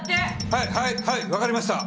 はいはいはいわかりました！